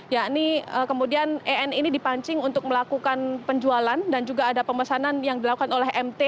yakni kemudian en ini dipancing untuk melakukan penjualan dan juga ada pemesanan yang dilakukan oleh mt